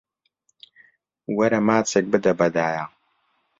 وەرە ماچێک بدە بە دایە.